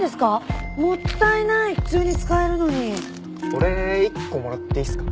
俺１個もらっていいっすか？